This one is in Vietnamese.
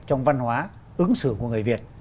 trong văn hóa ứng xử của người việt